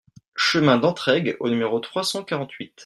Chemin d'Entraigues au numéro trois cent quarante-huit